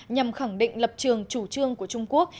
nhằm khẳng định lập trường chủ trương của trung quốc